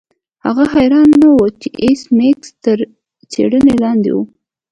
هغه حیران نه و چې ایس میکس تر څیړنې لاندې و